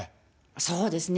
そうですね。